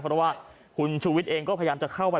เพราะว่าคุณชูวิทย์เองก็พยายามจะเข้าไป